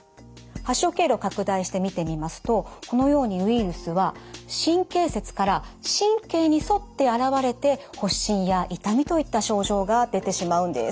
発症経路拡大して見てみますとこのようにウイルスは神経節から神経に沿って現れて発疹や痛みといった症状が出てしまうんです。